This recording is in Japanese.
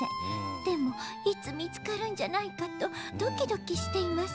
でもいつみつかるんじゃないかとドキドキしています。